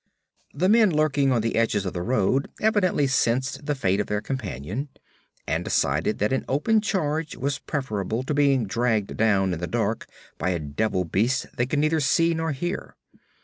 The men lurking on the edges of the road evidently sensed the fate of their companion, and decided that an open charge was preferable to being dragged down in the dark by a devil beast they could neither see nor hear.